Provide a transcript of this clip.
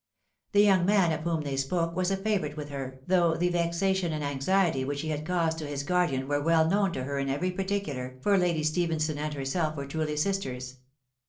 The young man of whom they spoke was a favourite with her, though the vexation and anxiety which he had caused 'to his guardian were well known to her in every particular, for Lady Stephenson and herself were truly sisters.